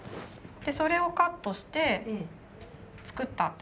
それをカットして作った。